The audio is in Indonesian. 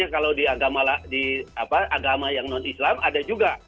kalau di agama yang non islam ada juga